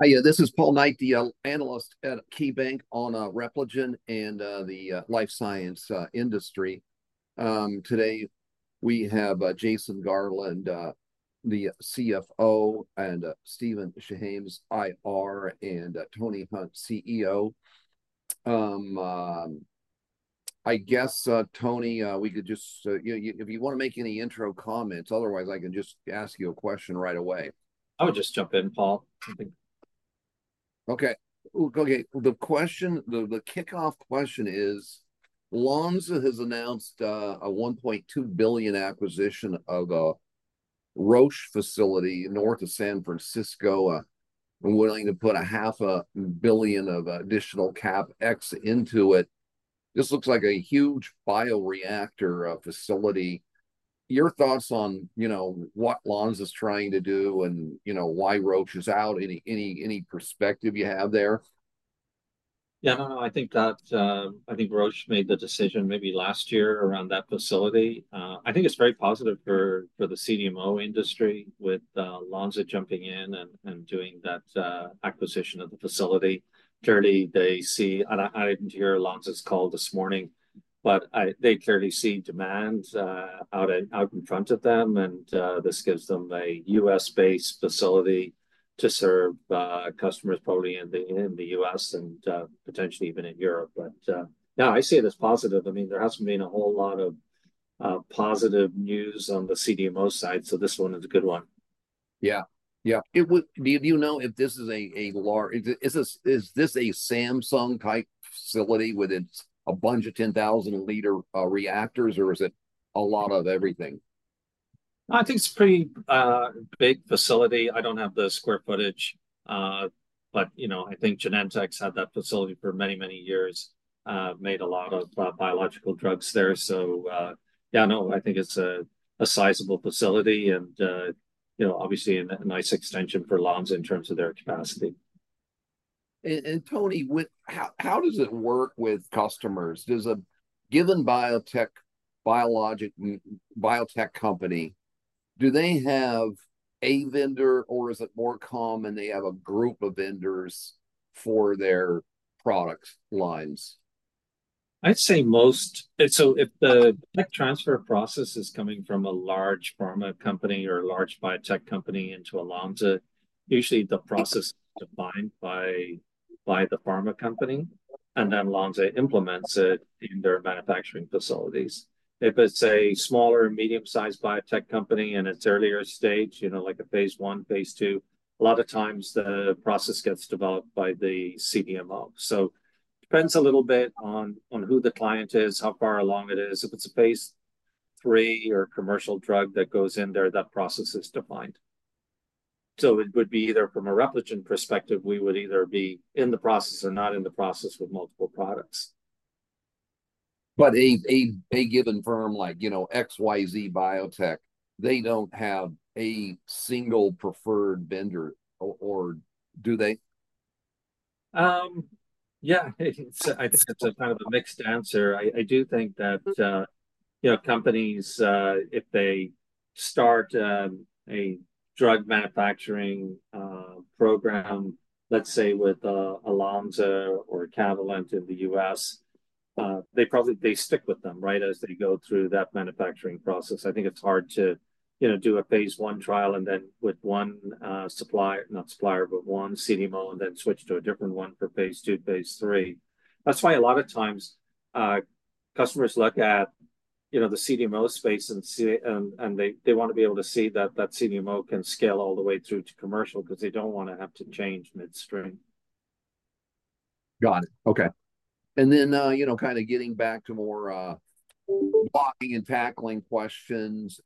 This is Paul Knight, the analyst at KeyBanc on Repligen and the life science industry. Today we have Jason Garland, the CFO, and Stephen Chehames, IR, and Tony Hunt, CEO. I guess, Tony, we could just—if you want to make any intro comments, otherwise I can just ask you a question right away. I would just jump in, Paul, I think. Okay. Okay, the kickoff question is: Lonza has announced a $1.2 billion acquisition of a Roche facility north of San Francisco and willing to put $500 million of additional CapEx into it. This looks like a huge bioreactor facility. Your thoughts on what Lonza is trying to do and why Roche is out, any perspective you have there? Yeah, no, no, I think Roche made the decision maybe last year around that facility. I think it's very positive for the CDMO industry with Lonza jumping in and doing that acquisition of the facility. Clearly, they see, and I didn't hear Lonza's call this morning, but they clearly see demand out in front of them, and this gives them a U.S.-based facility to serve customers probably in the U.S. and potentially even in Europe. But no, I see it as positive. I mean, there hasn't been a whole lot of positive news on the CDMO side, so this one is a good one. Yeah, yeah. Do you know if this is a—is this a Samsung-type facility with a bunch of 10,000-liter reactors, or is it a lot of everything? I think it's a pretty big facility. I don't have the square footage, but I think Genentech's had that facility for many, many years, made a lot of biological drugs there. So yeah, no, I think it's a sizable facility and obviously a nice extension for Lonza in terms of their capacity. Tony, how does it work with customers? Does a given biotech company, do they have a vendor, or is it more common they have a group of vendors for their product lines? I'd say most. So if the tech transfer process is coming from a large pharma company or a large biotech company into a Lonza, usually the process is defined by the pharma company, and then Lonza implements it in their manufacturing facilities. If it's a smaller or medium-sized biotech company and it's earlier stage, like a phase 1, phase 2, a lot of times the process gets developed by the CDMO. So it depends a little bit on who the client is, how far along it is. If it's a phase 3 or commercial drug that goes in there, that process is defined. So it would be either from a Repligen perspective, we would either be in the process or not in the process with multiple products. A given firm like XYZ Biotech, they don't have a single preferred vendor, or do they? Yeah, I think it's kind of a mixed answer. I do think that companies, if they start a drug manufacturing program, let's say with a Lonza or a Catalent in the US, they stick with them, right, as they go through that manufacturing process. I think it's hard to do a phase one trial and then with one supplier, not supplier, but one CDMO, and then switch to a different one for phase two, phase three. That's why a lot of times customers look at the CDMO space, and they want to be able to see that that CDMO can scale all the way through to commercial because they don't want to have to change midstream. Got it. Okay. And then kind of getting back to more blocking and tackling questions.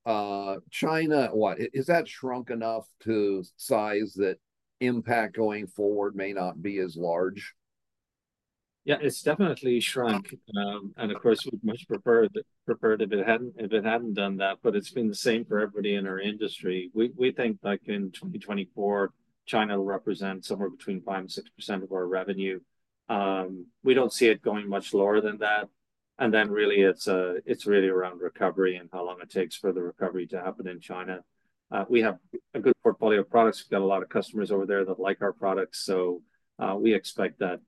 China, what? Has that shrunk enough to size that impact going forward may not be as large? Yeah, it's definitely shrunk. And of course, we'd much preferred if it hadn't done that. But it's been the same for everybody in our industry. We think in 2024, China will represent somewhere between 5% and 6% of our revenue. We don't see it going much lower than that. And then really, it's really around recovery and how long it takes for the recovery to happen in China. We have a good portfolio of products. We've got a lot of customers over there that like our products. So we expect that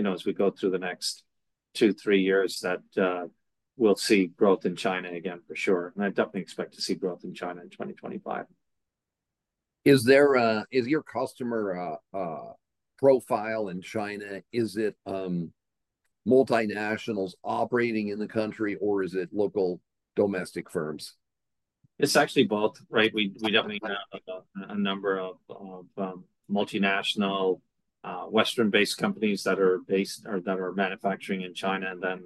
as we go through the next two, three years, that we'll see growth in China again for sure. And I definitely expect to see growth in China in 2025. Is your customer profile in China, is it multinationals operating in the country, or is it local domestic firms? It's actually both, right? We definitely have a number of multinational Western-based companies that are based or that are manufacturing in China, and then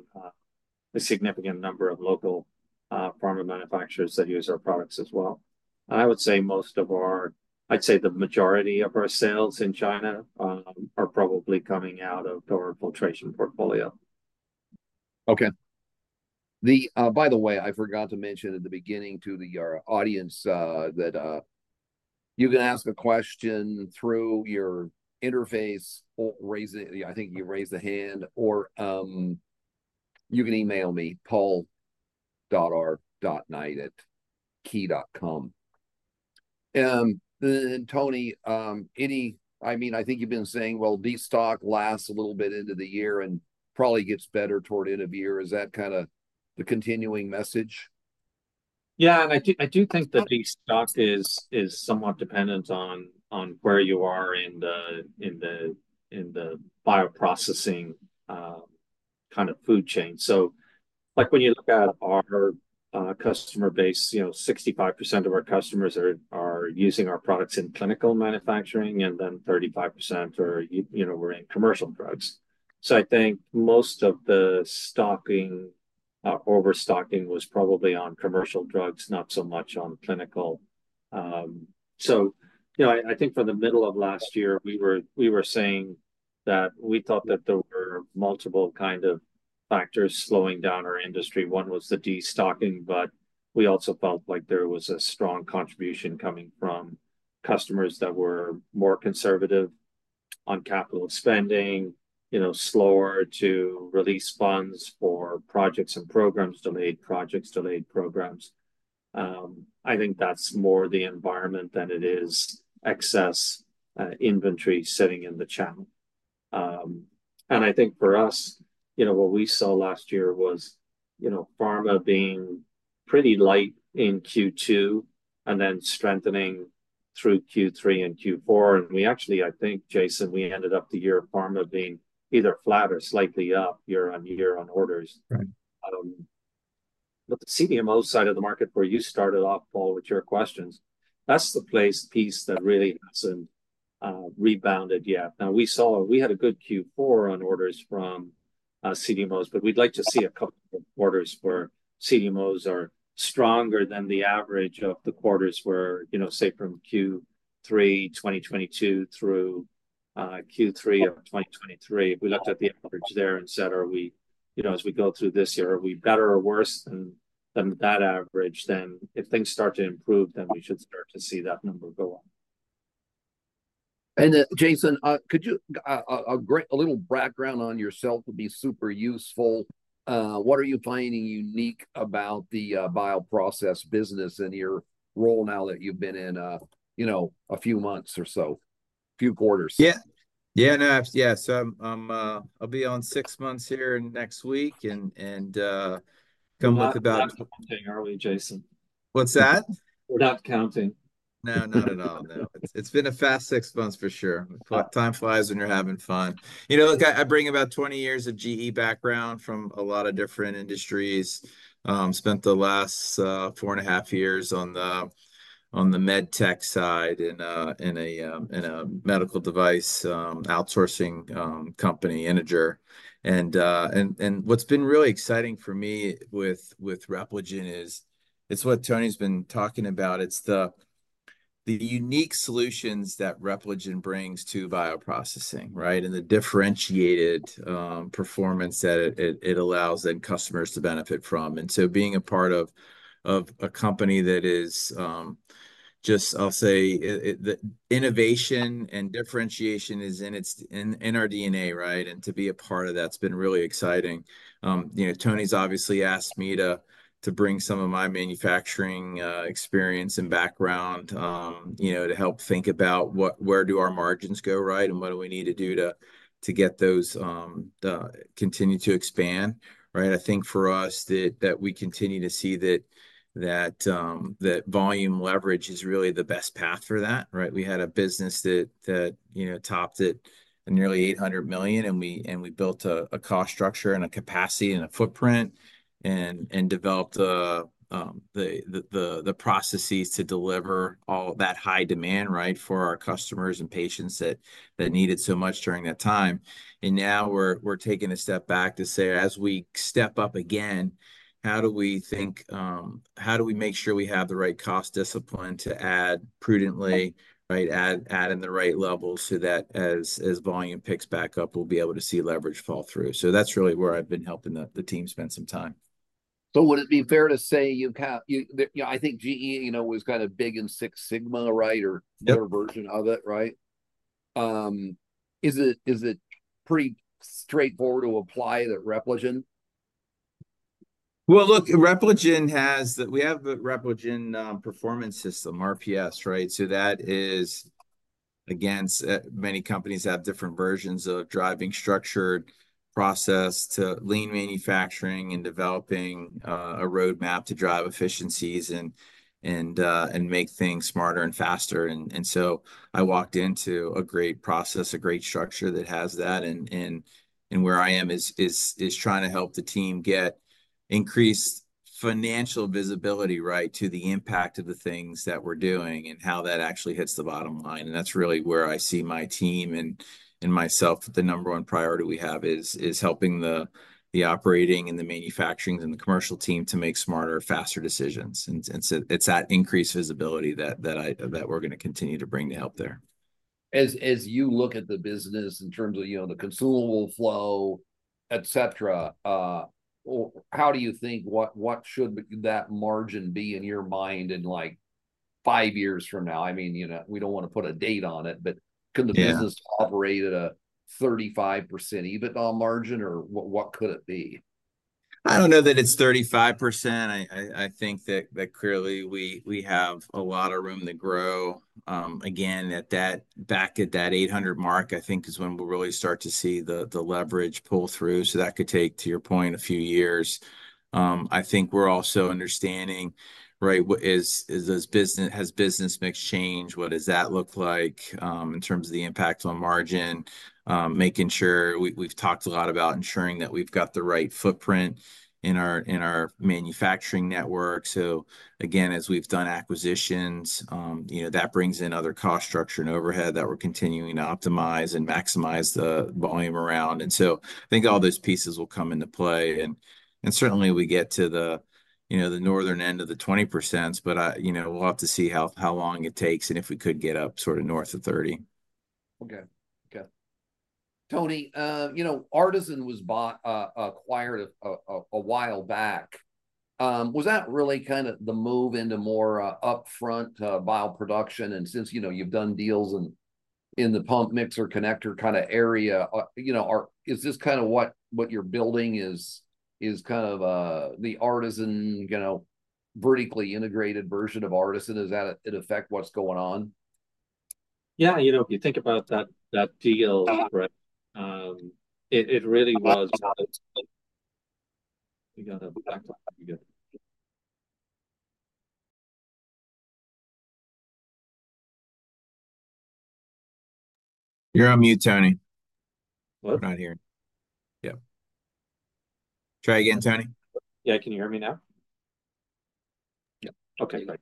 a significant number of local pharma manufacturers that use our products as well. I would say most of our—I'd say the majority of our sales in China are probably coming out of our filtration portfolio. Okay. By the way, I forgot to mention at the beginning to the audience that you can ask a question through your interface. I think you raised a hand, or you can email me, paul.r.knight@key.com. And Tony, any—I mean, I think you've been saying, well, the stock lasts a little bit into the year and probably gets better toward end of year. Is that kind of the continuing message? Yeah, and I do think that de-stocking is somewhat dependent on where you are in the bioprocessing kind of food chain. So when you look at our customer base, 65% of our customers are using our products in clinical manufacturing, and then 35% are—we're in commercial drugs. So I think most of the stocking-overstocking was probably on commercial drugs, not so much on clinical. So I think for the middle of last year, we were saying that we thought that there were multiple kind of factors slowing down our industry. One was the de-stocking, but we also felt like there was a strong contribution coming from customers that were more conservative on capital spending, slower to release funds for projects and programs, delayed projects, delayed programs. I think that's more the environment than it is excess inventory sitting in the channel. I think for us, what we saw last year was pharma being pretty light in Q2 and then strengthening through Q3 and Q4. We actually, I think, Jason, we ended up the year pharma being either flat or slightly up year-on-year on orders. The CDMO side of the market where you started off, Paul, with your questions, that's the place piece that really hasn't rebounded yet. Now, we saw we had a good Q4 on orders from CDMOs, but we'd like to see a couple of quarters where CDMOs are stronger than the average of the quarters where, say, from Q3 2022 through Q3 of 2023, if we looked at the average there and said, "Are we, as we go through this year, are we better or worse than that average?" Then if things start to improve, then we should start to see that number go up. Jason, could you, a little background on yourself would be super useful. What are you finding unique about the bioprocess business in your role now that you've been in a few months or so, a few quarters? Yeah. Yeah, no, yeah. So I'll be on six months here next week and come with about. I'm not counting early, Jason. What's that? We're not counting. No, not at all, no. It's been a fast 6 months for sure. Time flies when you're having fun. Look, I bring about 20 years of GE background from a lot of different industries. Spent the last 4.5 years on the med tech side in a medical device outsourcing company, Integer. And what's been really exciting for me with Repligen is what Tony's been talking about. It's the unique solutions that Repligen brings to bioprocessing, right, and the differentiated performance that it allows then customers to benefit from. And so being a part of a company that is just, I'll say, innovation and differentiation is in our DNA, right? And to be a part of that's been really exciting. Tony's obviously asked me to bring some of my manufacturing experience and background to help think about where do our margins go, right, and what do we need to do to get those to continue to expand, right? I think for us that we continue to see that volume leverage is really the best path for that, right? We had a business that topped at nearly $800 million, and we built a cost structure and a capacity and a footprint and developed the processes to deliver all that high demand, right, for our customers and patients that needed so much during that time. Now we're taking a step back to say, as we step up again, how do we think, how do we make sure we have the right cost discipline to add prudently, right, add in the right levels so that as volume picks back up, we'll be able to see leverage fall through? That's really where I've been helping the team spend some time. Would it be fair to say you've had, I think, GE was kind of big in Six Sigma, right, or their version of it, right? Is it pretty straightforward to apply that to Repligen? Well, look, Repligen has—we have the Repligen Performance System, RPS, right? So that is, again, many companies have different versions of driving structured process to lean manufacturing and developing a roadmap to drive efficiencies and make things smarter and faster. And so I walked into a great process, a great structure that has that. And where I am is trying to help the team get increased financial visibility, right, to the impact of the things that we're doing and how that actually hits the bottom line. And that's really where I see my team and myself. The number one priority we have is helping the operating and the manufacturings and the commercial team to make smarter, faster decisions. And so it's that increased visibility that we're going to continue to bring to help there. As you look at the business in terms of the consumable flow, etc., how do you think what should that margin be in your mind in five years from now? I mean, we don't want to put a date on it, but could the business operate at a 35% even margin, or what could it be? I don't know that it's 35%. I think that clearly we have a lot of room to grow. Again, back at that 800 mark, I think, is when we'll really start to see the leverage pull through. So that could take, to your point, a few years. I think we're also understanding, right, has business mix changed? What does that look like in terms of the impact on margin? Making sure we've talked a lot about ensuring that we've got the right footprint in our manufacturing network. So again, as we've done acquisitions, that brings in other cost structure and overhead that we're continuing to optimize and maximize the volume around. And so I think all those pieces will come into play. Certainly, we get to the northern end of the 20%, but we'll have to see how long it takes and if we could get up sort of north of 30%. Okay. Okay. Tony, ARTeSYN was bought, acquired a while back. Was that really kind of the move into more upfront bioproduction? And since you've done deals in the pump, mixer, connector kind of area, is this kind of what you're building is kind of the ARTeSYN vertically integrated version of ARTeSYN? Does that in effect what's going on? Yeah. If you think about that deal, right, it really was. We got to back to where we good. You're on mute, Tony. What? I'm not hearing. Yep. Try again, Tony. Yeah, can you hear me now? Yep. Okay. Great.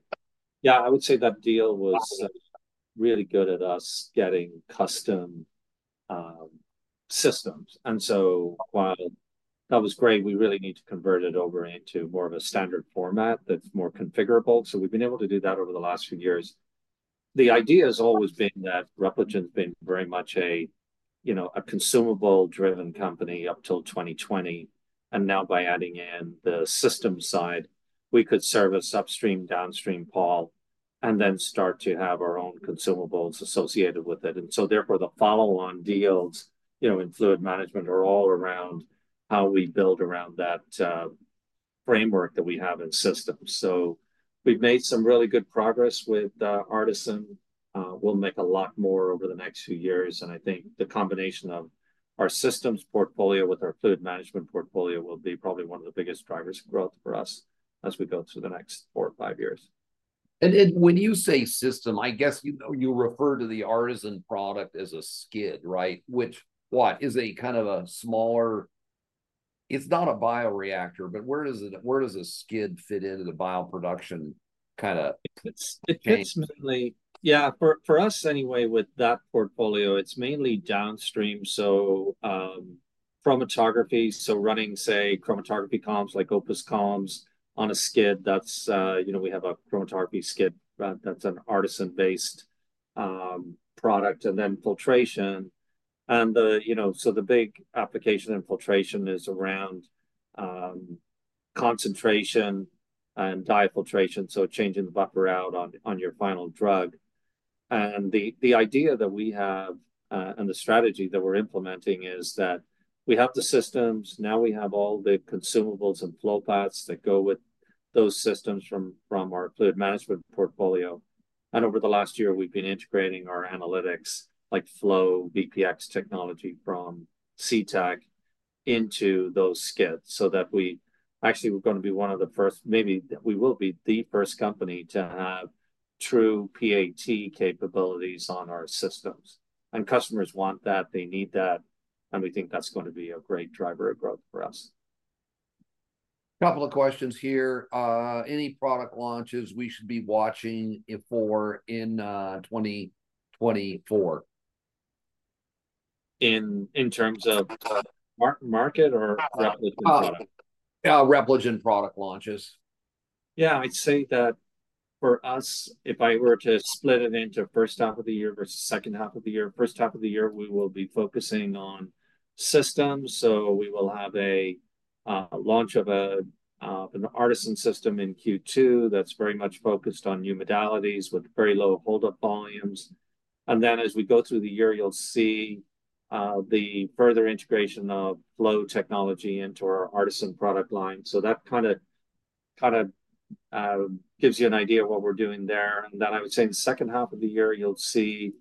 Yeah, I would say that deal was really good at us getting custom systems. So while that was great, we really need to convert it over into more of a standard format that's more configurable. So we've been able to do that over the last few years. The idea has always been that Repligen's been very much a consumable-driven company up till 2020. And now by adding in the system side, we could service upstream, downstream, Paul, and then start to have our own consumables associated with it. So therefore, the follow-on deals in fluid management are all around how we build around that framework that we have in systems. So we've made some really good progress with ARTeSYN. We'll make a lot more over the next few years. I think the combination of our systems portfolio with our fluid management portfolio will be probably one of the biggest drivers of growth for us as we go through the next 4 or 5 years. When you say system, I guess you refer to the ARTeSYN product as a skid, right, is a kind of a smaller it's not a bioreactor, but where does a skid fit into the bioproduction kind of chain? Yeah, for us anyway, with that portfolio, it's mainly downstream. So chromatography, so running, say, chromatography columns like OPUS columns on a skid. We have a chromatography skid that's an ARTeSYN-based product. And then filtration. And so the big application in filtration is around concentration and diafiltration, so changing the buffer out on your final drug. And the idea that we have and the strategy that we're implementing is that we have the systems. Now we have all the consumables and flow paths that go with those systems from our fluid management portfolio. And over the last year, we've been integrating our analytics FlowVPX technology from C Technologies into those skids so that we actually, we're going to be one of the first maybe we will be the first company to have true PAT capabilities on our systems. And customers want that. They need that. We think that's going to be a great driver of growth for us. Couple of questions here. Any product launches we should be watching for in 2024? In terms of the market or Repligen product? Repligen product launches. Yeah, I'd say that for us, if I were to split it into first half of the year versus second half of the year, first half of the year, we will be focusing on systems. So we will have a launch of an ARTeSYN system in Q2 that's very much focused on new modalities with very low holdup volumes. And then as we go through the year, you'll see the further integration of flow technology into our ARTeSYN product line. So that kind of gives you an idea of what we're doing there. And then I would say in the second half of the year, you'll see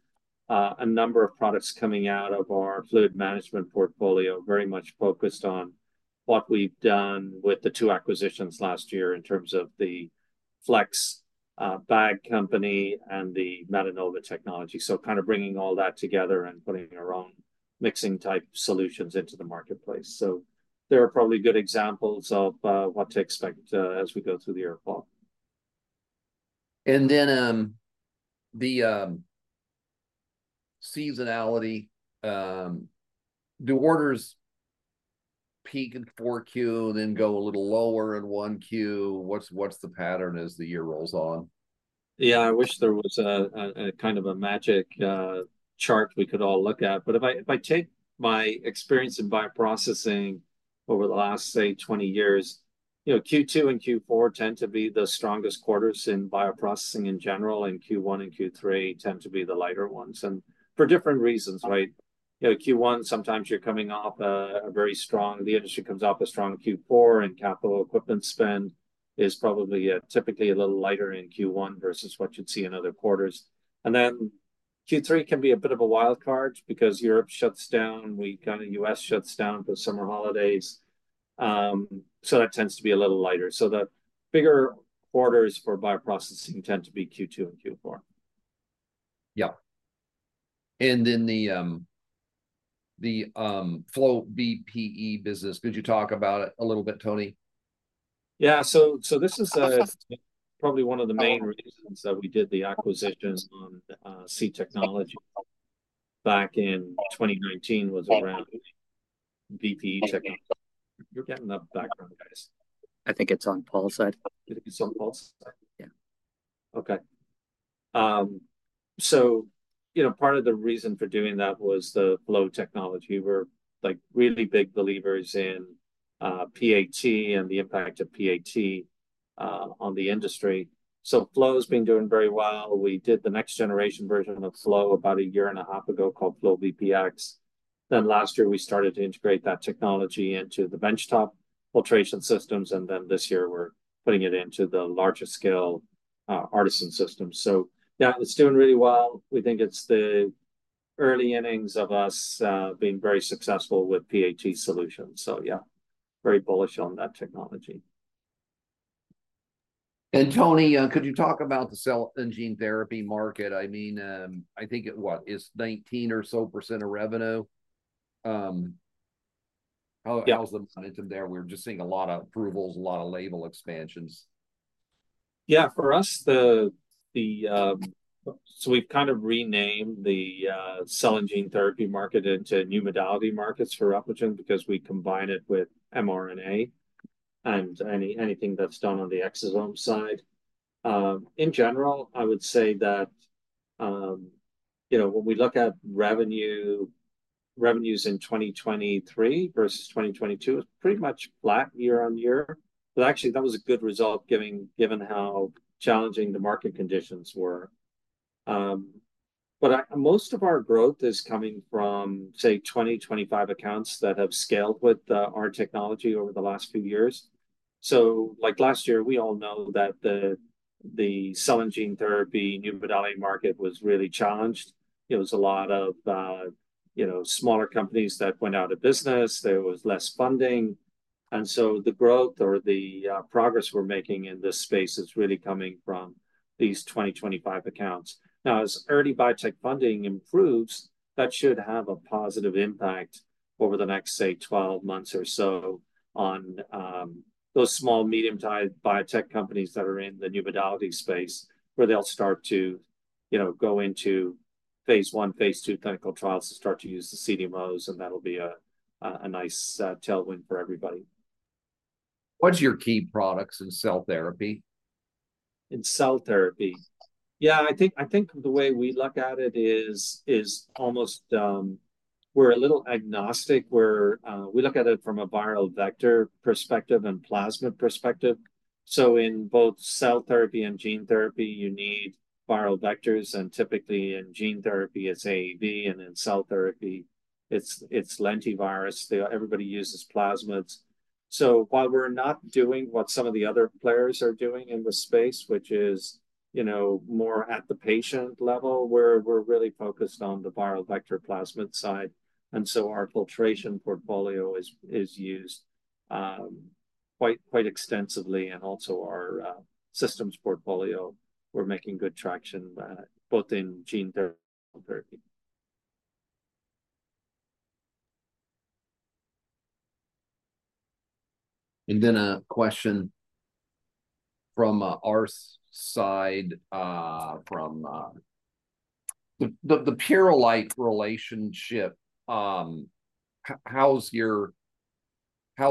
a number of products coming out of our fluid management portfolio very much focused on what we've done with the two acquisitions last year in terms of the FlexBiosys and the Metenova technology. So kind of bringing all that together and putting our own mixing-type solutions into the marketplace. So there are probably good examples of what to expect as we go through the year, Paul. Then the seasonality, do orders peak in Q4 and then go a little lower in Q1? What's the pattern as the year rolls on? Yeah, I wish there was kind of a magic chart we could all look at. But if I take my experience in bioprocessing over the last, say, 20 years, Q2 and Q4 tend to be the strongest quarters in bioprocessing in general. And Q1 and Q3 tend to be the lighter ones for different reasons, right? Q1, sometimes the industry comes off a strong Q4, and capital equipment spend is probably typically a little lighter in Q1 versus what you'd see in other quarters. And then Q3 can be a bit of a wild card because Europe shuts down. U.S. shuts down for summer holidays. So that tends to be a little lighter. So the bigger quarters for bioprocessing tend to be Q2 and Q4. Yep. And then the FlowVPE business, could you talk about it a little bit, Tony? Yeah. So this is probably one of the main reasons that we did the acquisition on C Technologies back in 2019 was around VPE Technology. You're getting the background, guys. I think it's on Paul's side. You think it's on Paul's side? Yeah. Okay. So part of the reason for doing that was the Flow technology. We're really big believers in PAT and the impact of PAT on the industry. So Flow's been doing very well. We did the next-generation version of Flow about a year and a half ago called FlowVPX. Then last year, we started to integrate that technology into the benchtop filtration systems. And then this year, we're putting it into the larger-scale ARTeSYN systems. So yeah, it's doing really well. We think it's the early innings of us being very successful with PAT solutions. So yeah, very bullish on that technology. Tony, could you talk about the cell and gene therapy market? I mean, I think it, what, is 19% or so of revenue? How's the momentum there? We're just seeing a lot of approvals, a lot of label expansions. Yeah. For us, so we've kind of renamed the cell and gene therapy market into new modality markets for Repligen because we combine it with mRNA and anything that's done on the exosome side. In general, I would say that when we look at revenues in 2023 versus 2022, it's pretty much flat year-over-year. But actually, that was a good result given how challenging the market conditions were. But most of our growth is coming from, say, 2025 accounts that have scaled with our technology over the last few years. So last year, we all know that the cell and gene therapy new modality market was really challenged. It was a lot of smaller companies that went out of business. There was less funding. And so the growth or the progress we're making in this space is really coming from these 2025 accounts. Now, as early biotech funding improves, that should have a positive impact over the next, say, 12 months or so on those small, medium-sized biotech companies that are in the new modality space where they'll start to go into phase one, phase two clinical trials and start to use the CDMOs. That'll be a nice tailwind for everybody. What's your key products in cell therapy? In cell therapy? Yeah, I think the way we look at it is almost we're a little agnostic. We look at it from a viral vector perspective and plasmid perspective. So in both cell therapy and gene therapy, you need viral vectors. And typically, in gene therapy, it's AAV. And in cell therapy, it's lentivirus. Everybody uses plasmids. So while we're not doing what some of the other players are doing in the space, which is more at the patient level, we're really focused on the viral vector plasmid side. And so our filtration portfolio is used quite extensively. And also our systems portfolio, we're making good traction both in gene therapy. A question from our side, from the Purolite relationship, how's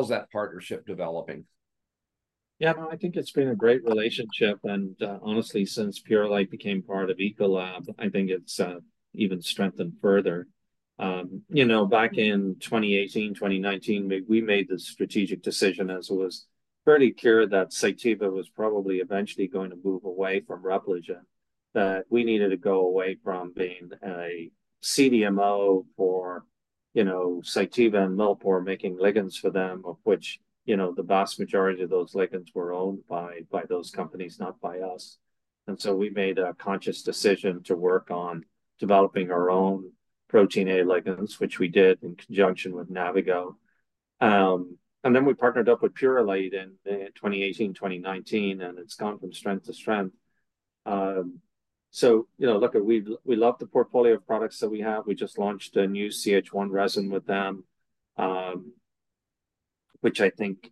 that partnership developing? Yeah, I think it's been a great relationship. And honestly, since Purolite became part of Ecolab, I think it's even strengthened further. Back in 2018, 2019, we made the strategic decision as it was fairly clear that Cytiva was probably eventually going to move away from Repligen, that we needed to go away from being a CDMO for Cytiva and Millipore making ligands for them, of which the vast majority of those ligands were owned by those companies, not by us. And so we made a conscious decision to work on developing our own Protein A ligands, which we did in conjunction with Navigo. And then we partnered up with Purolite in 2018, 2019. And it's gone from strength to strength. So look, we love the portfolio of products that we have. We just launched a new CH1 resin with them, which I think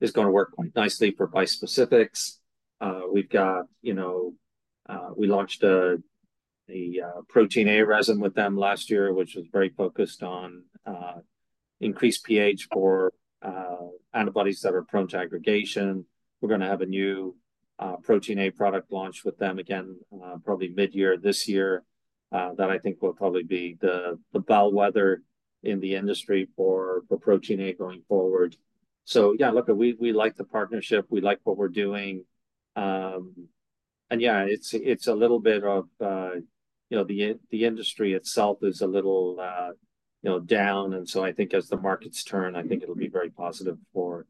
is going to work quite nicely for bispecifics. We launched a Protein A resin with them last year, which was very focused on increased pH for antibodies that are prone to aggregation. We're going to have a new Protein A product launched with them again, probably mid-year this year, that I think will probably be the bellwether in the industry for Protein A going forward. So yeah, look, we like the partnership. We like what we're doing. And yeah, it's a little bit of the industry itself is a little down. And so I think as the markets turn, I think it'll be very positive for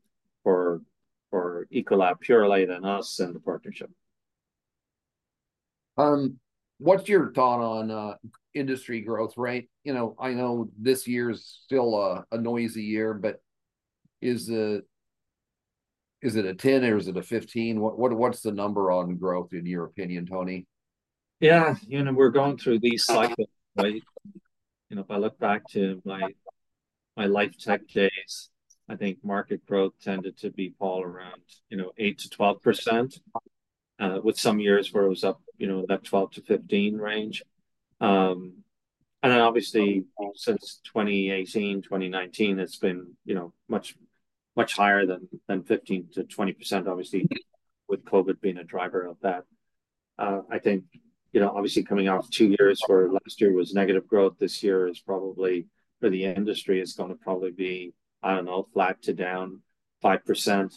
Ecolab, Purolite, and us and the partnership. What's your thought on industry growth, right? I know this year's still a noisy year, but is it a 10 or is it a 15? What's the number on growth in your opinion, Tony? Yeah. We're going through these cycles, right? If I look back to my Life Tech days, I think market growth tended to be, Paul, around 8%-12%, with some years where it was up in that 12%-15% range. And then obviously, since 2018, 2019, it's been much higher than 15%-20%, obviously, with COVID being a driver of that. I think obviously, coming off two years where last year was negative growth, this year is probably for the industry, is going to probably be, I don't know, flat to down 5%.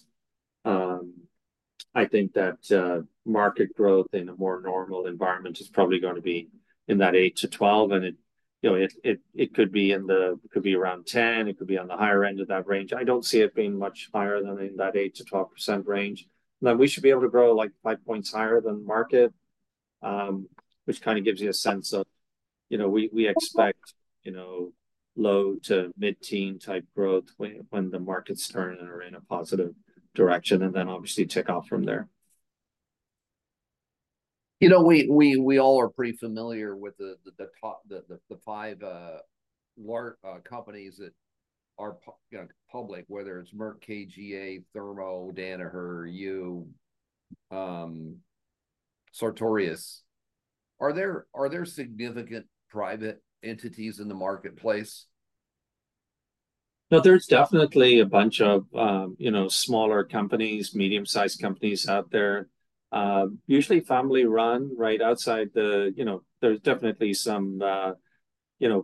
I think that market growth in a more normal environment is probably going to be in that 8%-12%. And it could be in the it could be around 10%. It could be on the higher end of that range. I don't see it being much higher than in that 8%-12% range. And then we should be able to grow like 5 points higher than market, which kind of gives you a sense of we expect low- to mid-teen type growth when the markets turn and are in a positive direction and then obviously tick off from there. We all are pretty familiar with the five companies that are public, whether it's Merck KGaA, Thermo, Danaher, you, Sartorius. Are there significant private entities in the marketplace? No, there's definitely a bunch of smaller companies, medium-sized companies out there, usually family-run. There's definitely some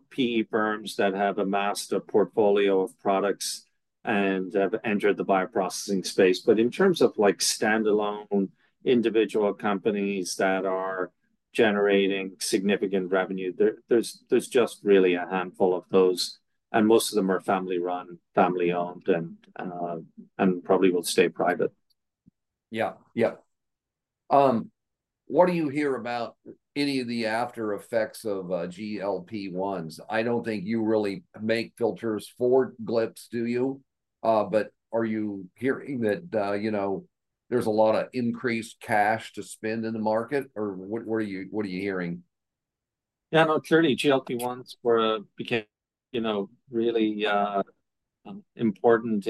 PE firms that have amassed a portfolio of products and have entered the bioprocessing space. But in terms of standalone individual companies that are generating significant revenue, there's just really a handful of those. Most of them are family-run, family-owned, and probably will stay private. Yeah. Yeah. What do you hear about any of the aftereffects of GLP-1s? I don't think you really make filters for GLP-1s, do you? But are you hearing that there's a lot of increased cash to spend in the market, or what are you hearing? Yeah, no, clearly, GLP-1s became really important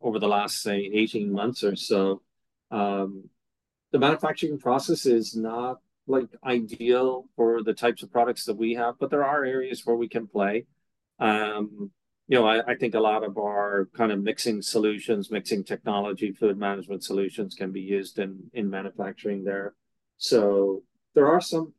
over the last, say, 18 months or so. The manufacturing process is not ideal for the types of products that we have, but there are areas where we can play. I think a lot of our kind of mixing solutions, mixing technology, fluid management solutions can be used in manufacturing there. So there are some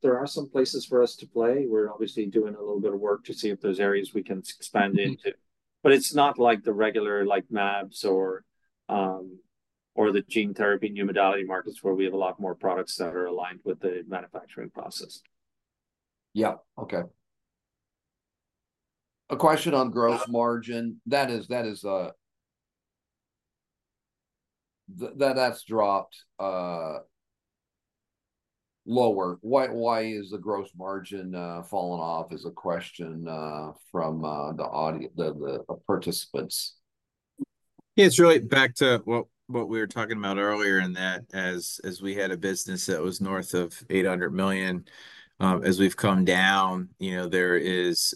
places for us to play. We're obviously doing a little bit of work to see if there's areas we can expand into. But it's not like the regular mAbs or the gene therapy new modality markets where we have a lot more products that are aligned with the manufacturing process. Yeah. Okay. A question on gross margin. That's dropped lower. Why is the gross margin falling off? is a question from the participants. Yeah, it's really back to what we were talking about earlier in that as we had a business that was north of $800 million. As we've come down, there is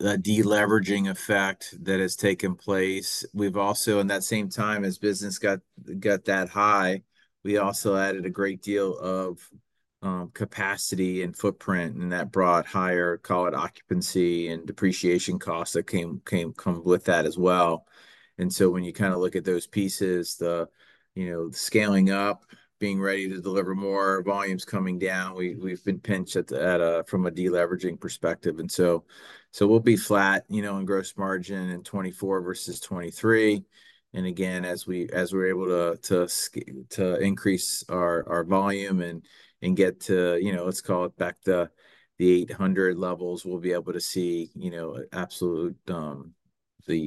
a deleveraging effect that has taken place. In that same time, as business got that high, we also added a great deal of capacity and footprint. And that brought higher, call it, occupancy and depreciation costs that came with that as well. And so when you kind of look at those pieces, the scaling up, being ready to deliver more volumes coming down, we've been pinched from a deleveraging perspective. And so we'll be flat in gross margin in 2024 versus 2023. And again, as we're able to increase our volume and get to, let's call it, back to the 800 levels, we'll be able to see absolute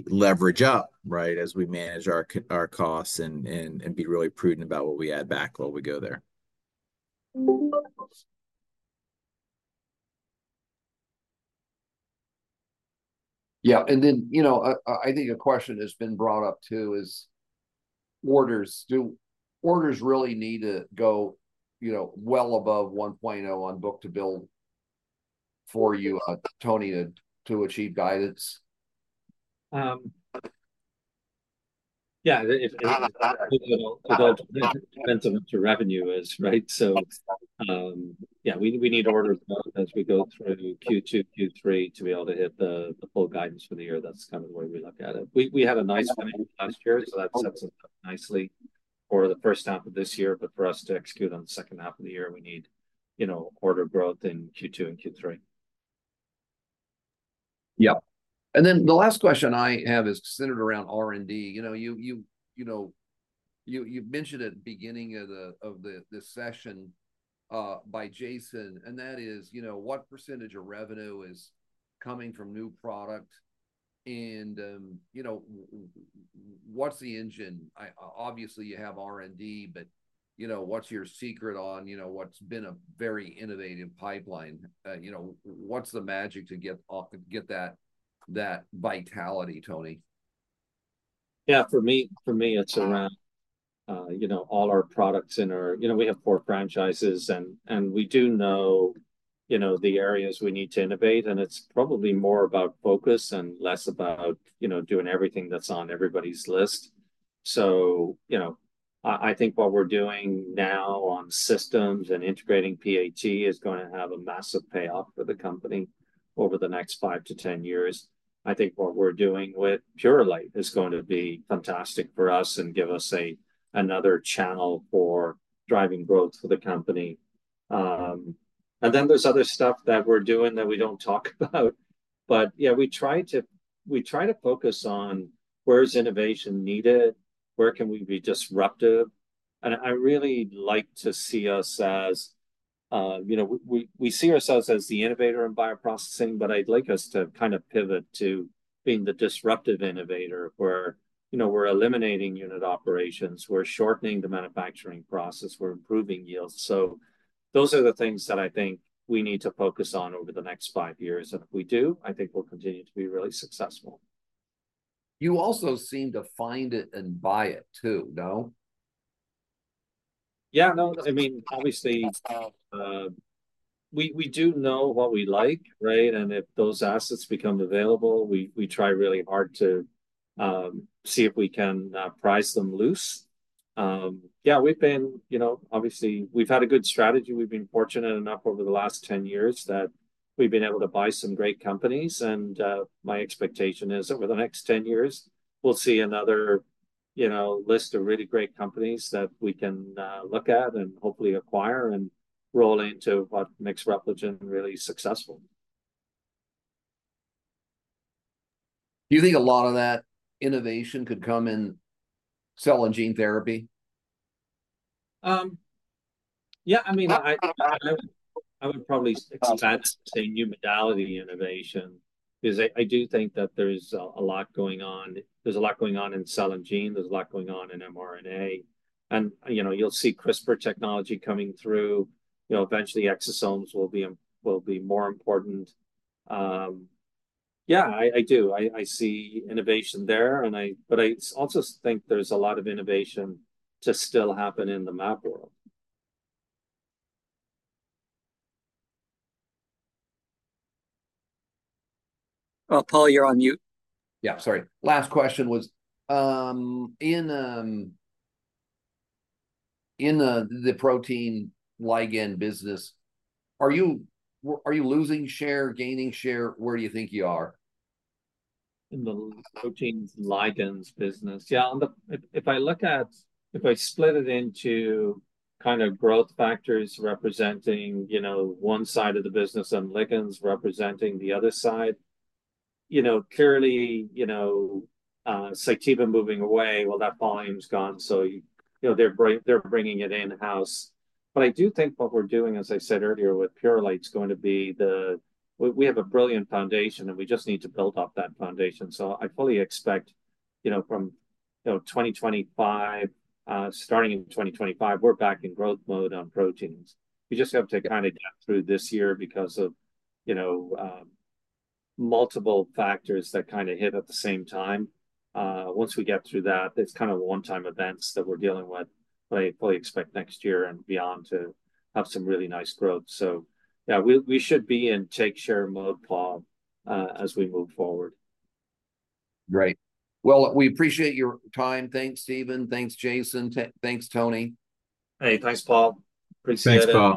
leverage up, right, as we manage our costs and be really prudent about what we add back while we go there. Yeah. And then I think a question that's been brought up too is orders. Do orders really need to go well above 1.0 on book-to-bill for you, Tony, to achieve guidance? Yeah. It all depends on revenue, right? So yeah, we need orders as we go through Q2, Q3 to be able to hit the full guidance for the year. That's kind of the way we look at it. We had a nice finish last year, so that sets us up nicely for the first half of this year. But for us to execute on the second half of the year, we need order growth in Q2 and Q3. Yeah. And then the last question I have is centered around R&D. You've mentioned at the beginning of this session by Jason, and that is what percentage of revenue is coming from new product? And what's the engine? Obviously, you have R&D, but what's your secret on what's been a very innovative pipeline? What's the magic to get that vitality, Tony? Yeah. For me, it's around all our products in our we have four franchises, and we do know the areas we need to innovate. It's probably more about focus and less about doing everything that's on everybody's list. So I think what we're doing now on systems and integrating PAT is going to have a massive payoff for the company over the next 5-10 years. I think what we're doing with Purolite is going to be fantastic for us and give us another channel for driving growth for the company. And then there's other stuff that we're doing that we don't talk about. But yeah, we try to focus on where is innovation needed? Where can we be disruptive? I really like to see us as we see ourselves as the innovator in bioprocessing, but I'd like us to kind of pivot to being the disruptive innovator where we're eliminating unit operations. We're shortening the manufacturing process. We're improving yields. Those are the things that I think we need to focus on over the next five years. If we do, I think we'll continue to be really successful. You also seem to find it and buy it too, no? Yeah. No, I mean, obviously, we do know what we like, right? And if those assets become available, we try really hard to see if we can price them loose. Yeah, we've been obviously, we've had a good strategy. We've been fortunate enough over the last 10 years that we've been able to buy some great companies. And my expectation is over the next 10 years, we'll see another list of really great companies that we can look at and hopefully acquire and roll into what makes Repligen really successful. Do you think a lot of that innovation could come in cell and gene therapy? Yeah. I mean, I would probably expect to say new modality innovation because I do think that there's a lot going on. There's a lot going on in cell and gene. There's a lot going on in mRNA. And you'll see CRISPR technology coming through. Eventually, exosomes will be more important. Yeah, I do. I see innovation there. But I also think there's a lot of innovation to still happen in the mAb world. Paul, you're on mute. Yeah, sorry. Last question was, in the protein ligand business, are you losing share, gaining share? Where do you think you are? In the protein ligands business? Yeah. If I look at if I split it into kind of growth factors representing one side of the business and ligands representing the other side, clearly, Cytiva moving away, well, that volume's gone. So they're bringing it in-house. But I do think what we're doing, as I said earlier with Purolite, is going to be the we have a brilliant foundation, and we just need to build off that foundation. So I fully expect from 2025, starting in 2025, we're back in growth mode on proteins. We just have to kind of get through this year because of multiple factors that kind of hit at the same time. Once we get through that, it's kind of one-time events that we're dealing with. But I fully expect next year and beyond to have some really nice growth. So yeah, we should be in take share mode, Paul, as we move forward. Great. Well, we appreciate your time. Thanks, Steven. Thanks, Jason. Thanks, Tony. Hey, thanks, Paul. Appreciate it. Thanks, Paul.